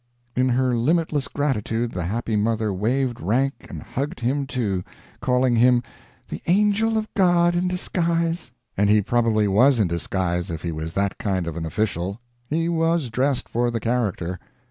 In her limitless gratitude the happy mother waived rank and hugged him too, calling him "the angel of God in disguise." And he probably was in disguise if he was that kind of an official. He was dressed for the character.